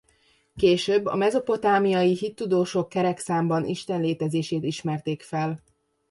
Később a mezopotámiai hittudósok kerek számban isten létezését ismerték el.